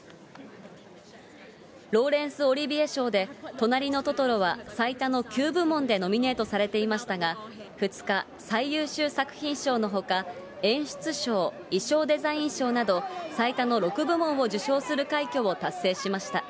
ローレンス・オリビエ賞でとなりのトトロは最多の９部門でノミネートされていましたが、２日、最優秀作品賞のほか、演出賞、衣装デザイン賞など最多の６部門を受賞する快挙を達成しました。